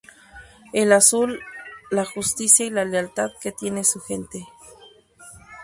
El azul la justicia y la lealtad que tiene su gente.